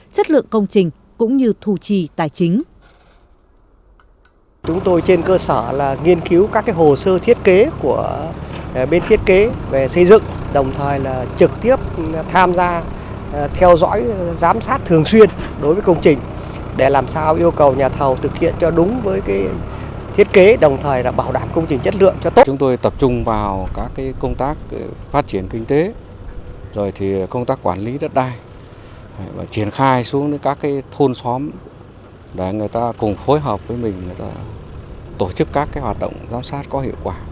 chất lượng công trình cũng như thù trì tài chính